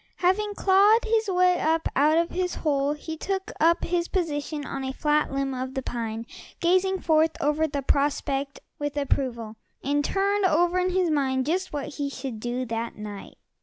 Having clawed his way up out of his hole he took up his position on a flat limb of the pine, gazing forth over the prospect with approval, and turning over in his mind just what he should do that night.